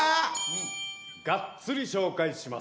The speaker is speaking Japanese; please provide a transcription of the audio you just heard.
がっつり紹介します。